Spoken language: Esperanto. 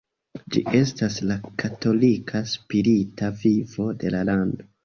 Ĝi estas la katolika spirita vivo de la lando.